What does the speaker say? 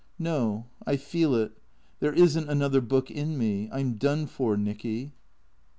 " No. I feel it. There is n't another book in me. I 'm done for, Nicky."